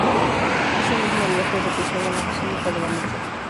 Ese mismo día fue bautizado en la Basilica de la Merced.